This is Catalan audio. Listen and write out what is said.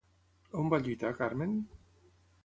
On va lluitar Carmen?